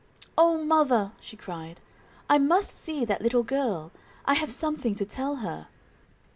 "Oh, mother!" she cried, "I must see that little girl; I have something to tell her."